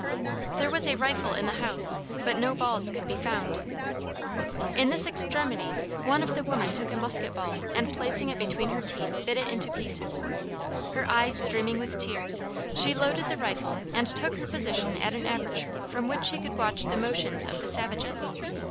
There was a rifle in the house but no balls could be found. In this extremity one of the women took a musket ball and placing it between her teeth bit it into pieces. Her eyes streaming with tears, she loaded the rifle and took her position at an aperture from which she could watch the motions of the savages.